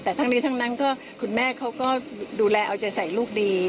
แต่ทั้งนี้ทั้งนั้นก็คุณแม่เขาก็ดูแลเอาใจใส่ลูกดี